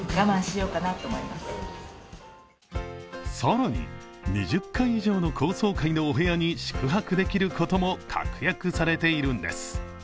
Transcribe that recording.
更に２０階以上の高層階のお部屋に宿泊できることも確約されているんです。